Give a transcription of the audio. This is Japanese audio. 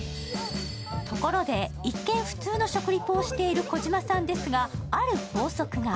ところで、一見普通の食リポをしている児嶋さんですが、ある法則が。